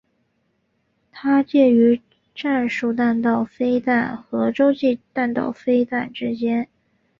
它介于战术弹道飞弹和洲际弹道飞弹之间。